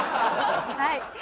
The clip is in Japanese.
はい。